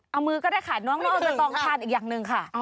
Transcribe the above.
เอามือก็ได้ค่ะน้องน้องใบตองทานอีกอย่างหนึ่งค่ะ